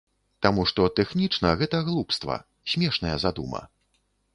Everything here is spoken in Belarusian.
Таму што тэхнічна гэта глупства, смешная задума.